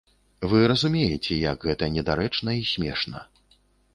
Вы разумееце, як гэта недарэчна і смешна.